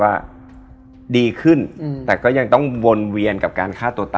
ในห้องเหรอ